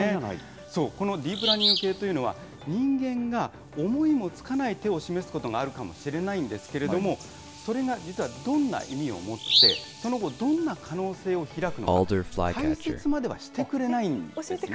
そう、このディープラーニング系というのは、人間が思いもつかない手を示すことがあるかもしれないんですけれども、それが実はどんな意味を持って、その後、どんな可能性を開くのか、解説まではしてく教えてくれないんですか。